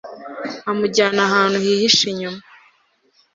amujyana ahantu hihishe inyuma